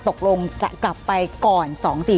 ตกลงจะกลับไปก่อน๒๔๔